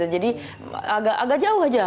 jadi agak jauh aja